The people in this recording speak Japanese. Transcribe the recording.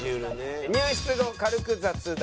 入室後軽く雑談。